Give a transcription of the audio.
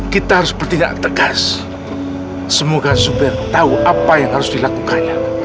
kita harus bertindak tegas semoga supir tahu apa yang harus dilakukannya